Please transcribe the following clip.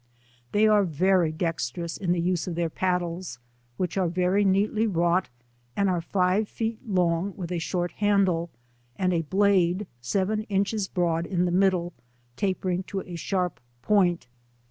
They are very dexterous in the use of their paddles, which are very neatly wrought, and are live feef long, w'ith a short handle, and a blade seven inches broad in th6 middle, tapering to a sharp point.